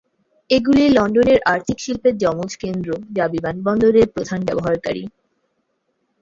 এগুলি লন্ডনের আর্থিক শিল্পের যমজ কেন্দ্র, যা বিমানবন্দরের প্রধান ব্যবহারকারী।